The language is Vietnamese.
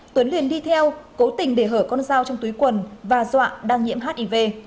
tuấn liền đi theo cố tình để hở con dao trong túi quần và dọa đang nhiễm hiv